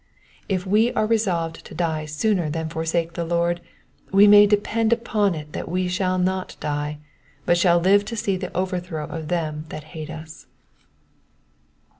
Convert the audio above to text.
If we are resolved to die sooner than forsake the Lord, we may depend upon it that we shall not die, but shall live to see the overthrow of them that hate us.